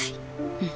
うん。